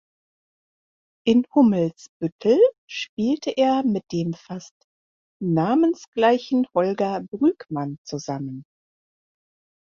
In Hummelsbüttel spielte er mit dem fast namensgleichen Holger Brügmann zusammen.